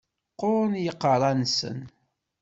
Qquren yiqerra-nsen.